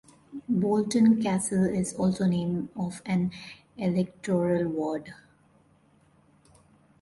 Bolton Castle is also the name of an electoral ward.